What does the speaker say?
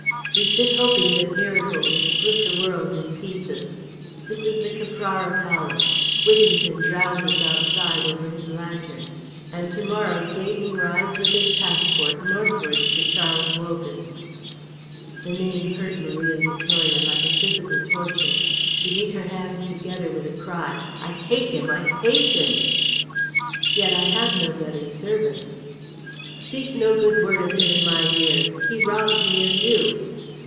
We sit hoping that a miracle will split the world in pieces! This is the Caprara Palace; Whittington drowses outside over his lantern; and to morrow Gaydon rides with his passport northwards to Charles Wogan." The name hurt Maria Vittoria like a physical torture. She beat her hands together with a cry, "I hate him! I hate him!" "Yet I have no better servant!" "Speak no good word of him in my ears! He robs me of you."